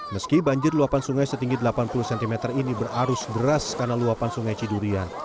meski banjir luapan sungai setinggi delapan puluh cm ini berarus deras karena luapan sungai cidurian